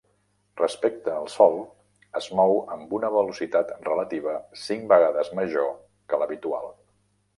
Respecte al Sol, es mou amb una velocitat relativa cinc vegades major que l'habitual.